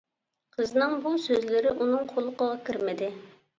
قىزنىڭ بۇ سۆزلىرى ئۇنىڭ قۇلىقىغا كىرمىدى.